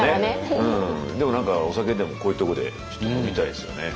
でも何かお酒でもこういうところで飲みたいですよね。